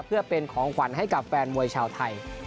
เพื่อเป็นของขวัญให้กับแฟนมวยชาวไทย